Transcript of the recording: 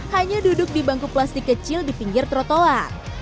hanya duduk di bangku plastik kecil di pinggir trotoar